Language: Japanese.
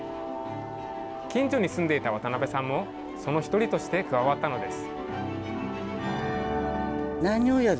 近所に住んでいた渡邊さんもその１人として加わったのです。